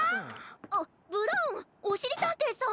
あっブラウンおしりたんていさん！